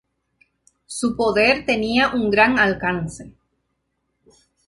Su poder tenía un gran alcance.